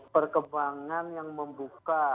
perkembangan yang membuka